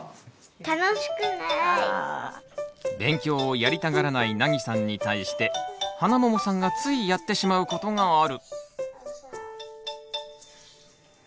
勉強をやりたがらないなぎさんに対してハナモモさんがついやってしまうことがある。